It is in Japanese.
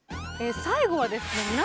最後はですね